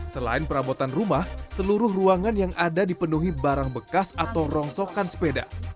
selain perabotan rumah seluruh ruangan yang ada dipenuhi barang bekas atau rongsokan sepeda